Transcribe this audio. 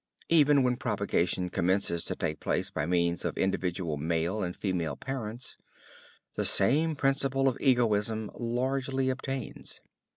Even when propagation commences to take place by means of individual male and female parents, the same principle of egoism largely obtains.